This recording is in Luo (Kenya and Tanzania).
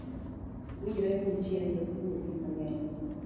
Winjore ni nitiere jokuoge mang’eny